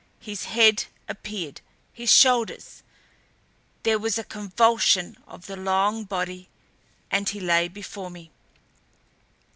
His head appeared, his shoulders; there was a convulsion of the long body and he lay before me.